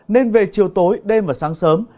nên về chiều tối đêm và sáng sớm